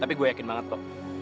tapi gue yakin banget kok